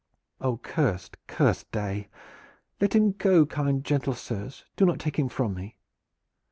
"Oh, cursed, cursed day! Let him go, kind, gentle sirs; do not take him from me!"